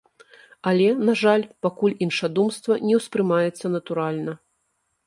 Але, на жаль, пакуль іншадумства не ўспрымаецца натуральна.